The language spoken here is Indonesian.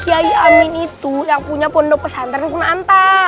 kiai amin itu yang punya pondok pesantren kuna anta